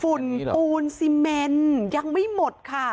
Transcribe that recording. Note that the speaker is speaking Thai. ฝุ่นปูนซีเมนยังไม่หมดค่ะ